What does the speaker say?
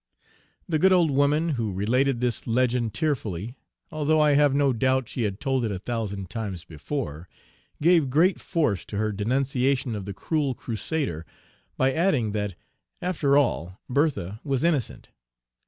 The good old woman, who related this legend tearfully, although I have no doubt she had told it a thousand times before, gave great force to her denunciation of the cruel crusader by adding that, "After all, Bertha was innocent."